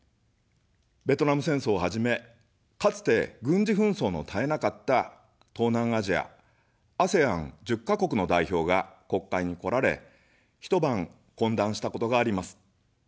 ベトナム戦争をはじめ、かつて、軍事紛争の絶えなかった東南アジアＡＳＥＡＮ１０か国の代表が国会に来られ、一晩懇談したことがあります。